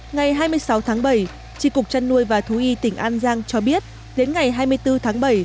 ngày hai mươi sáu tháng bảy tri cục trăn nuôi và thú y tỉnh an giang cho biết đến ngày hai mươi bốn tháng bảy